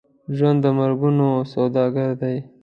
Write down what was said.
ژوند د مرګونو سوداګر دی.